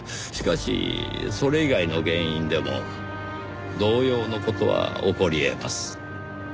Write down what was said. しかしそれ以外の原因でも同様の事は起こり得ます。